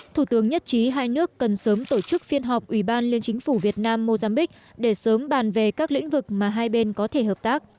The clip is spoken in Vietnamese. thủ tướng nhất trí hai nước cần sớm tổ chức phiên họp ủy ban liên chính phủ việt nam mozambique để sớm bàn về các lĩnh vực mà hai bên có thể hợp tác